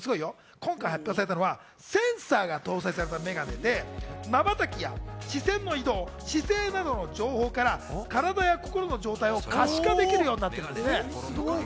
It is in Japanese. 今回、発表されたのはセンサーが搭載された眼鏡で、まばたきや視線の移動、姿勢などの情報から体や心の状態を可視化できるというものなんですね。